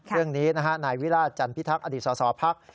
เรื่องนี้นายวิราชจันทร์พิทักษ์อดีตสศพักษ์